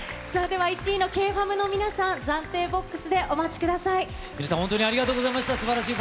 では１位のＫｆａｍの皆さん、暫定ボックスでお待ちください。